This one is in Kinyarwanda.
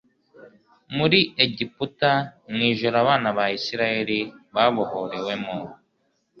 Muri Egiputa, mu ijoro abana b'Abisiraeli babohorewemo,